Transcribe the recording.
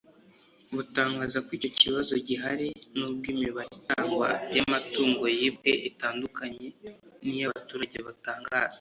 butangaza ko icyo kibazo gihari n’ ubwo imibare itangwa y’amatungo yibwe itandukanye n’ iyo abaturage batangaza